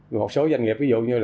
một số doanh nghiệp ví dụ như